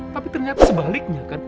tapi ternyata sebaliknya kan